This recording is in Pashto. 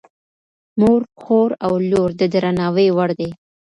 مور، خور او لور د درناوي وړ دي.